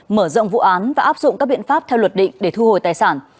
mở rộng vụ án và áp dụng các biện pháp theo luật định để thu hồi tài sản